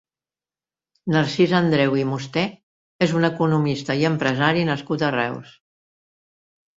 Narcís Andreu i Musté és un economista i empresari nascut a Reus.